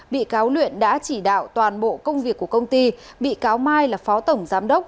bị cáo luyện đã chỉ đạo toàn bộ công việc của công ty bị cáo mai là phó tổng giám đốc